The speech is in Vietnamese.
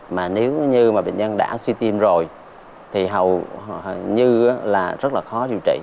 mà nếu như mà bệnh nhân đã suy tim rồi thì hầu như là rất là khó điều trị